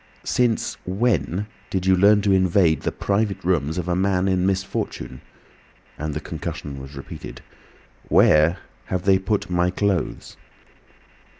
"Since when did you learn to invade the private rooms of a man in misfortune?" and the concussion was repeated. "Where have they put my clothes?"